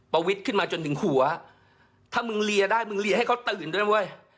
ประวิทย์ขึ้นมาจนถึงหัวถ้ามึงเลียได้มึงเลียให้เขาตื่นด้วยเว้ย